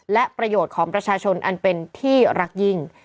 และประโยชน์ของประชาชนอันเป็นที่รักยิ่ง